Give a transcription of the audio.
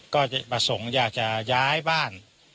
ก็จะประสงค์อยากจะย้ายบ้าน